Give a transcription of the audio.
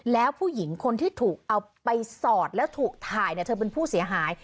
แล้วผู้หญิงคนที่ถูกเอาไปสอดแล้วถูกถ่ายเนี่ยเธอเป็นผู้เสียหาย